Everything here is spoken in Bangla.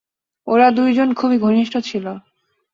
ওরা দুইজন খুবই ঘনিষ্ট ছিল।